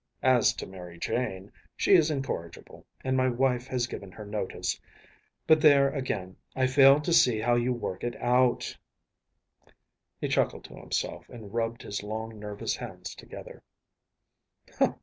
As to Mary Jane, she is incorrigible, and my wife has given her notice, but there, again, I fail to see how you work it out.‚ÄĚ He chuckled to himself and rubbed his long, nervous hands together.